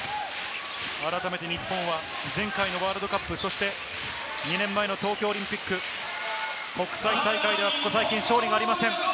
改めて日本は前回のワールドカップ、そして２年前の東京オリンピック、国際大会では、ここ最近勝利がありません。